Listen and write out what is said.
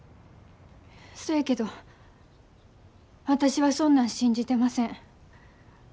そやけど私はそんなん信じてません。